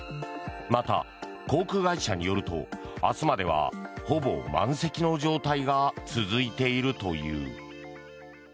また航空会社によると明日まではほぼ満席の状態が続いているという。